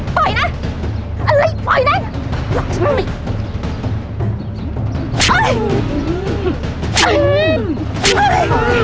ปล่อยนะอะไรปล่อยนะ